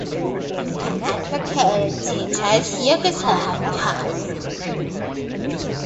He advocated Tito's Yugoslav cause.